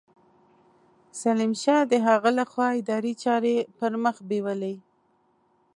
سلیم شاه د هغه له خوا اداري چارې پرمخ بېولې.